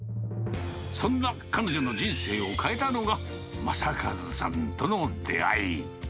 そんな彼女の人生を変えたのが、正和さんとの出会い。